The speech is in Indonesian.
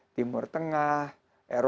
adalah sebuah trans basasies